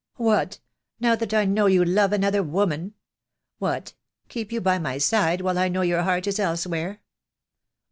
"What, now that I know you love another woman? What, keep you by my side, while I know your heart is elsewhere?